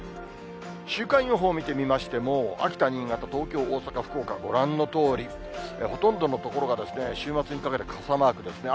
週間予報を見てみましても、秋田、新潟、東京、大阪、福岡、ご覧のとおり、ほとんどの所が週末にかけて傘マークですね。